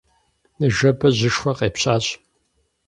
Ныжэбэ жьышхуэ къепщащ.